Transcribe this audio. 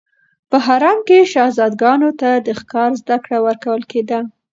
په حرم کې شهزادګانو ته د ښکار زده کړه ورکول کېده.